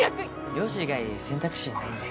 漁師以外選択肢ないんで。